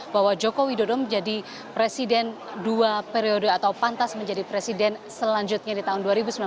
bahwa jokowi dodo menjadi presiden dua periode atau pantas menjadi presiden selanjutnya di tahun dua ribu sembilan belas dua ribu dua puluh empat